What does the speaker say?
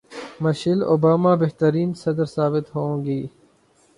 Michel Obama بہترین صدر ثابت ہوں گی